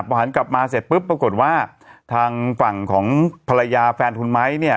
พอหันกลับมาเสร็จปุ๊บปรากฏว่าทางฝั่งของภรรยาแฟนคุณไม้เนี่ย